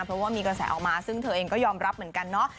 เพราะว่ามีกระแสออกมาซึ่งเธอเองก็ยอมรับเหมือนกันเนาะ